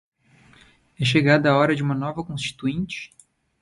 É chegada a hora de uma nova Constituinte?